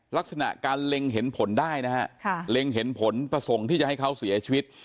ลักษณะการเล็งเห็นผลได้นะฮะเล็งเห็นผลประสงค์ที่จะให้เขาเสียชีวิต